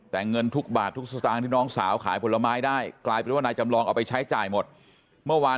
แต่เงินทุกบาททุกสตางค์ที่น้องสาวขายผลไม้ได้